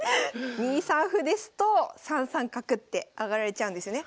２三歩ですと３三角って上がられちゃうんですよね。